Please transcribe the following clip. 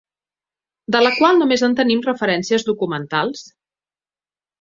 De la qual només en tenim referències documentals.